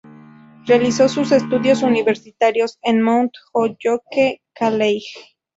Realizó sus estudios universitarios en Mount Holyoke College.